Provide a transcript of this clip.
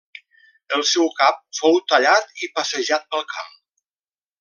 El seu cap fou tallat i passejat pel camp.